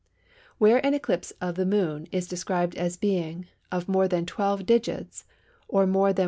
Where an eclipse of the Moon is described as being of more than 12 Digits or more than 1.